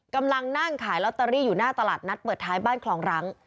กำลังนั่งขายลอตเตอรี่อยู่หน้าตลาดนัดเปิดท้ายบ้านคลองรัง